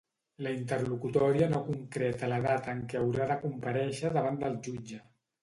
La interlocutòria no concreta la data en què haurà de comparèixer davant el jutge.